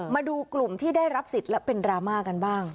มาดูกลุ่มที่ได้รับสิทธิ์และเป็นดราม่ากันบ้าง